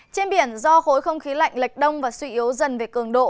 trên biển do khối không khí lạnh lệch đông và suy yếu dần về cường độ